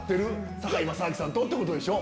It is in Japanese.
堺正章さんとってことでしょ？